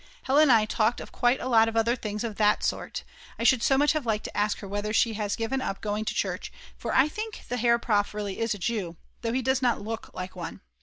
Hella and I talked of quite a lot of other things of that sort. I should so much have liked to ask her whether she has given up going to church, for I think the Herr Prof. really is a Jew, though he does not look like one.